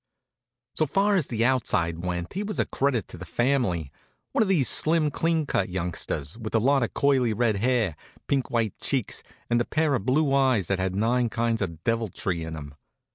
So far as the outside went he was a credit to the family one of these slim clean cut youngsters, with a lot of curly red hair, pinky white cheeks, and a pair of blue eyes that had nine kinds of deviltry in 'em.